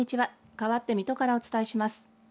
かわって水戸からお伝えします。